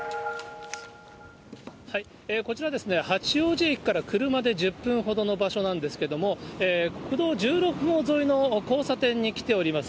こちら、八王子駅から車で１０分ほどの場所なんですけれども、国道１６号沿いの交差点に来ております。